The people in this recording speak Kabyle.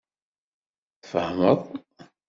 Tfehmeḍ.